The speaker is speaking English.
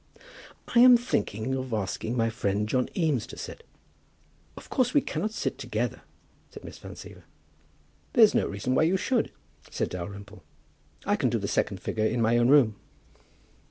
"I'm thinking of asking my friend John Eames to sit." "Of course we cannot sit together," said Miss Van Siever. "There's no reason why you should," said Dalrymple. "I can do the second figure in my own room."